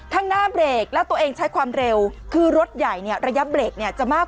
ข้างหน้าเบรกแล้วตัวเองใช้ความเร็วคือรถใหญ่เนี่ยระยะเบรกเนี่ยจะมาก